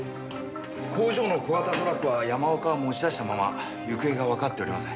工場の小型トラックは山岡が持ち出したまま行方がわかっておりません。